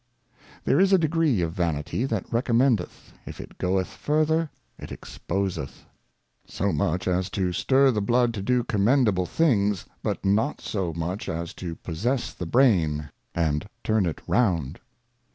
There is a Degree of Vanity that recommendeth ; if it goeth further, it exposeth. So much as to stir the Blood to do commendable Things, but not so much as to possess the Brain, and turn it round.